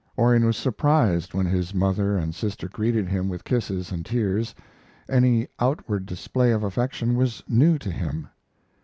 Orion was surprised when his mother and sister greeted him with kisses and tears. Any outward display of affection was new to him.